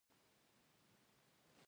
دا زما ورور ده مه لیکئ.